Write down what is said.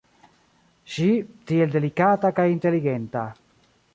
Ŝi, tiel delikata kaj inteligenta.